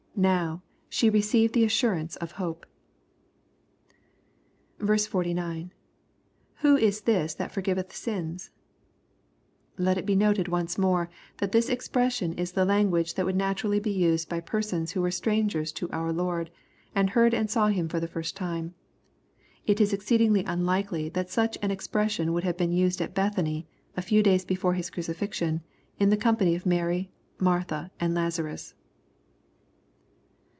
Now, she received the assur ance of hope. 49. —[ Who is this that forgiveth sins f] Let it be noted once more that this expression is the language that would naturally be used by persons who were strangers to our Lord, and heard and saw Him for the first time. It is exceedingly unUkely that such an expression would have been used at Bethany, a few days before His crucifixion, in the company of Mary, and Martha, and Laza rus.